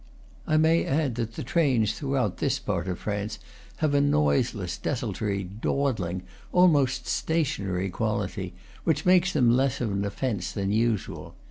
I may add that the trains throughout this part of France have a noiseless, desultory, dawdling, almost stationary quality, which makes them less of an offence than usual.